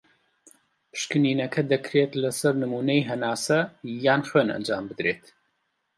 پشکنینەکە دەکرێت لە سەر نمونەی هەناسە یان خوێن ئەنجام بدرێت.